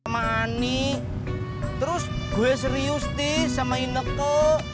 sama ani terus gue serius tis sama ineko